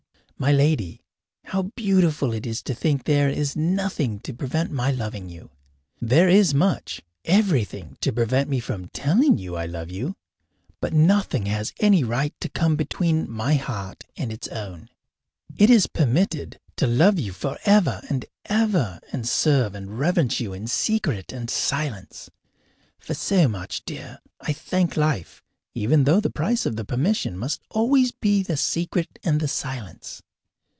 My Lady: How beautiful it is to think that there is nothing to prevent my loving you! There is much everything to prevent me from telling you that I love you. But nothing has any right to come between my heart and its own; it is permitted to love you forever and ever and serve and reverence you in secret and silence. For so much, dear, I thank life, even though the price of the permission must always be the secret and the silence.